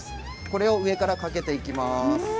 これを上からかけていきます。